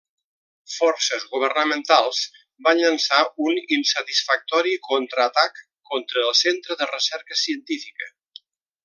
Forces governamentals van llançar un insatisfactori contra-atac contra el Centre de Recerca Científica.